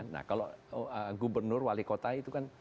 nah kalau gubernur wali kota itu kan